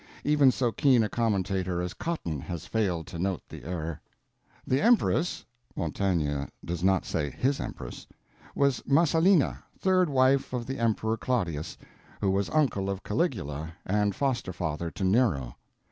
Even so keen a commentator as Cotton has failed to note the error. The empress (Montaigne does not say "his empress") was Messalina, third wife of the Emperor Claudius, who was uncle of Caligula and foster father to Nero.